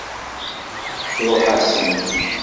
Tṛuḥ-asen.